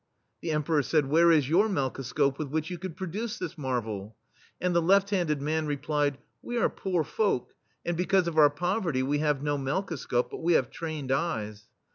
The Emperor said :" Where is your melkoscope with which you could pro duce this marvel ?" And the left handed man replied: " We are poor folk, and because of our poverty we have no melkoscope, but we have trained eyes."